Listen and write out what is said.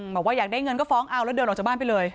บอกว่าอยากได้เงินก็ฟ้องเอาแล้วเดินออกจากบ้านไปเลย